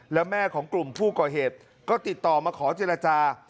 แล้วแม่ของกลุ่มผู้ก่อเหตุก็ติดต่อมาขอเจรจา